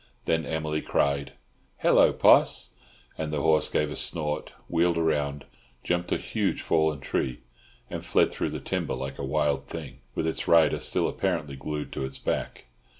Then Emily cried, "Hello, Poss!" and the horse gave a snort, wheeled round, jumped a huge fallen tree, and fled through the timber like a wild thing, with its rider still apparently glued to its back.